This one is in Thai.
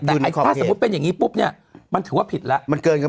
แต่ถ้าสมมุติเป็นอย่างนี้ปุ๊บเนี่ยมันถือว่าผิดแล้ว